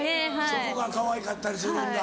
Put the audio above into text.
そこがかわいかったりするんだ。